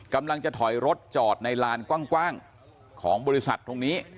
กำลังจะถอยรถจอดในลานกว้างของบริษัทตรงนี้